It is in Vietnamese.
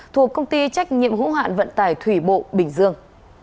thuộc công ty trách nhiệm hữu hạn vận tải thủy bộ bình dương